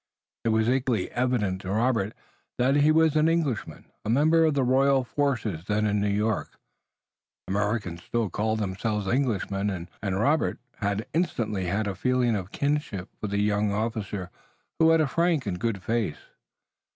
It was equally evident to Robert that he was an Englishman, a member of the royal forces then in New York. Americans still called themselves Englishmen and Robert instantly had a feeling of kinship for the young officer who had a frank and good face.